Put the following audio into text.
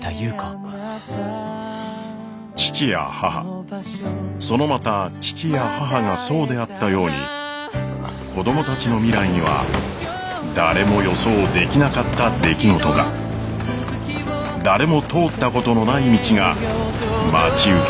父や母そのまた父や母がそうであったように子供たちの未来には誰も予想できなかった出来事が誰も通ったことのない道が待ち受けています。